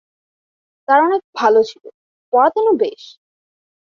Sir অনেক ভালো ছিলো, পড়াতেনও বেশ।